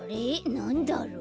なんだろう？